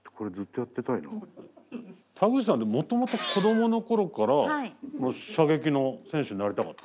田口さんってもともと子どもの頃から射撃の選手になりたかった？